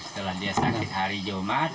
setelah dia sakit hari jumat